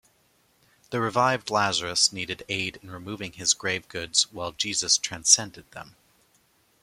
The revived Lazarus needed aid in removing his grave goods while Jesus transcended them.